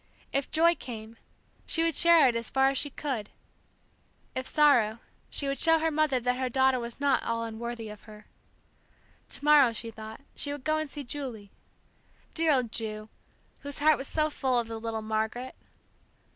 If joy came, she would share it as far as she could; if sorrow, she would show her mother that her daughter was not all unworthy of her. To morrow, she thought, she would go and see Julie. Dear old Ju, whose heart was so full of the little Margaret!